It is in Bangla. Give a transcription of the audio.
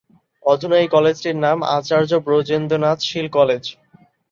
অধুনা এই কলেজটির নাম আচার্য ব্রজেন্দ্রনাথ শীল কলেজ।